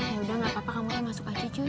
yaudah gapapa kamu tuh masuk aja cuy